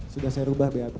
sudah saya rubah bap